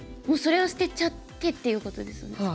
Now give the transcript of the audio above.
もうそれは捨てちゃってっていうことですね